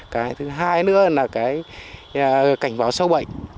cái thứ hai nữa là cái cảnh báo sâu bệnh